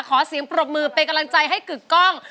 ขอเสียงปรบมือเป็นกำลังใจให้กึกกล้อง